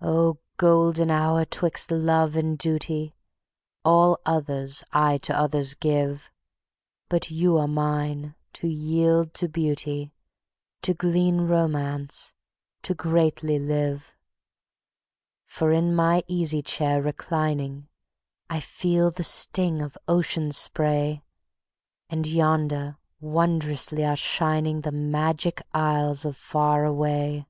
Oh, golden hour! 'twixt love and duty, All others I to others give; But you are mine to yield to Beauty, To glean Romance, to greatly live. For in my easy chair reclining ... _I feel the sting of ocean spray; And yonder wondrously are shining The Magic Isles of Far Away.